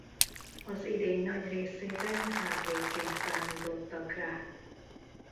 Az idény nagy részében hátvédként számítottak rá.